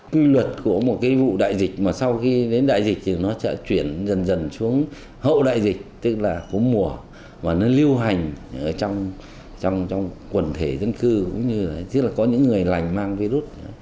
quy luật của một cái vụ đại dịch mà sau khi đến đại dịch thì nó sẽ chuyển dần dần xuống hậu đại dịch tức là cú mùa và nó lưu hành trong quần thể dân cư cũng như là tức là có những người lành mang virus